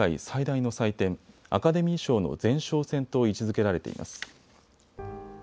最大の祭典、アカデミー賞の前哨戦と位置づけられています。